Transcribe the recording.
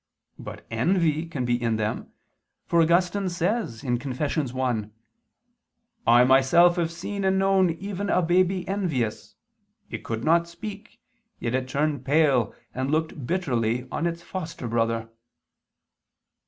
But envy can be in them, for Augustine says (Confess. i): "I myself have seen and known even a baby envious, it could not speak, yet it turned pale and looked bitterly on its foster brother."